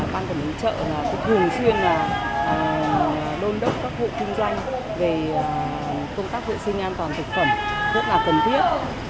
ban quản lý chợ thường xuyên đôn đốc các hộ kinh doanh về công tác vệ sinh an toàn thực phẩm rất là cần thiết